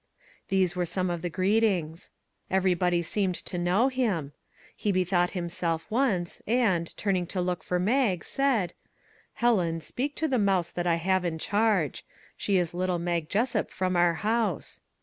These were some of the greetings. Everybody seemed to know him. He bethought himself once, and, turning to look for Mag, said: " Helen, speak to the mouse that I have in charge. It is little Mag Jessup from our house."